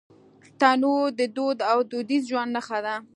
تنور د دود او دودیز ژوند نښه ده